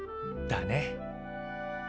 だね。